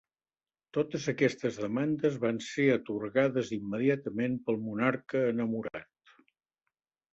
Totes aquestes demandes van ser atorgades immediatament pel monarca enamorat.